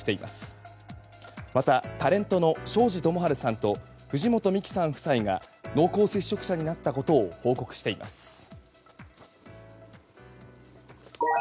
また、タレントの庄司智春さんと藤本美貴さん夫妻が濃厚接触者になったことを報告しています。